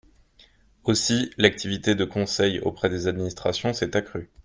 Aussi, l’activité de conseil auprès des administrations s’est accrue.